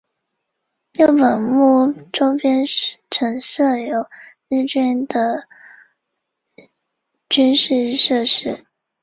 减轻受害者的伤痛